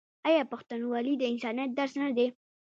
آیا پښتونولي د انسانیت درس نه دی؟